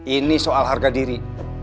ini soal harga diri